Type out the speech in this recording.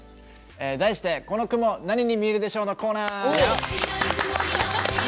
題して「この雲なにに見えるでしょう？」のコーナー。